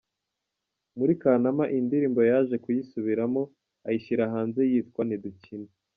Muri Kanama iyi ndirimbo yaje kuyisubiramo, ayishyira hanze yitwa “Ntidukina”.